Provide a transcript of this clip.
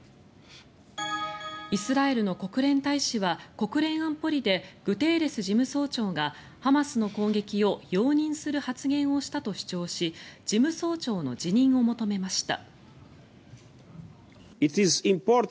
イスラエルの国連大使は国連安保理でグテーレス事務総長がハマスの攻撃を容認する発言をしたと主張し事務総長の辞任を求めました。